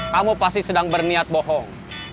kamu pasti sedang berniat bohong